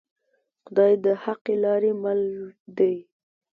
خدای د حقې لارې مل دی